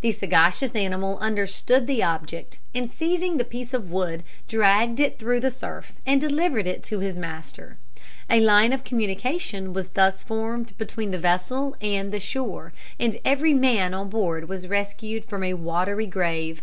The sagacious animal understood the object, and seizing the piece of wood, dragged it through the surf, and delivered it to his master. A line of communication was thus formed between the vessel and the shore, and every man on board was rescued from a watery grave.